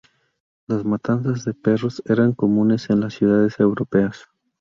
Las matanzas de perros eran comunes en las ciudades europeas.